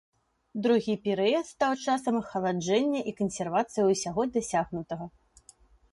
Другі перыяд стаў часам ахаладжэння і кансервацыі ўсяго дасягнутага.